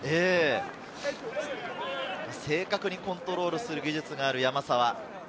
正確にコントロールする技術がある山沢。